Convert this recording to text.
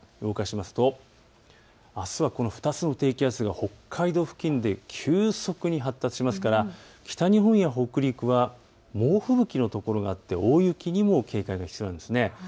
動かしますとあすはこの２つの低気圧が北海道付近で急速に発達しますから北日本や北陸は猛吹雪の所があって大雪にも警戒が必要です。